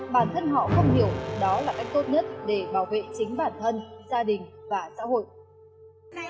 bản thân họ không hiểu đó là cách tốt nhất để bảo vệ chính bản thân gia đình và xã hội